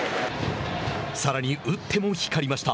さらに打っても光りました。